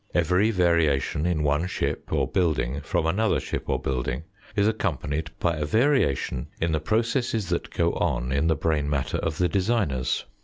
Every variation in one ship or building from another ship or building is accom panied by a variation in the processes that go on in the brain matter of the designers.